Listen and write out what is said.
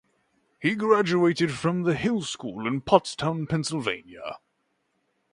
He graduated from The Hill School in Pottstown, Pennsylvania.